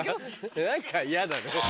何か嫌だね。